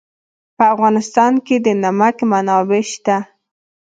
په افغانستان کې د نمک منابع شته.